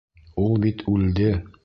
Ул бит үлде.